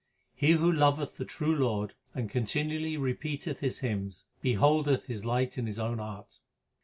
He who loveth the true Lord and continually repeateth His hymns, beholdeth His light in his own heart.